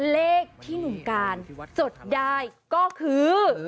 เลขที่หนุ่มการจดได้ก็คือ